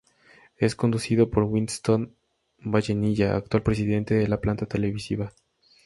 Es conducido por Winston Vallenilla, actual presidente de la planta televisiva.